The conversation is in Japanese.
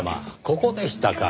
ここでしたか。